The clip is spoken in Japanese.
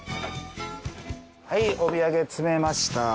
はいおみやげ詰めました。